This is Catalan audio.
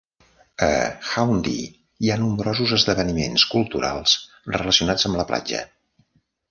A Haeundae hi ha nombrosos esdeveniments culturals relacionats amb la platja.